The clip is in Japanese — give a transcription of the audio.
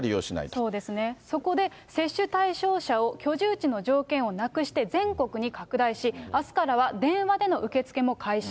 そうですね、そこで接種対象者を居住地の条件をなくして全国に拡大し、あすからは電話での受け付けも開始。